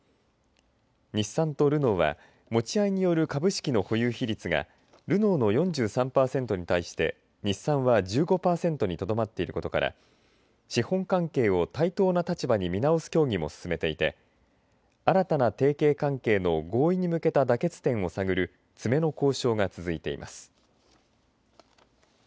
日産とルノーは持ち合いによる株式の保有比率がルノーの４３パーセントに対して日産は１５パーセントにとどまっていることから資本関係を対等な立場に見直す協議も進めていて新たな提携関係の合意に向けた妥結点を探る詰めの交渉が続いています。